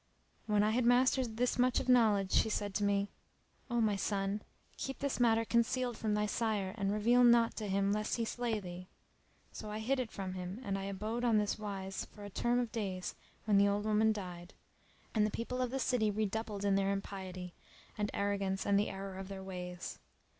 When I had mastered this much of knowledge she said to me:—O my son, keep this matter concealed from thy sire and reveal naught to him lest he slay thee. So I hid it from him and I abode on this wise for a term of days when the old woman died, and the people of the city redoubled in their impiety[FN#321] and arrogance and the error of their ways.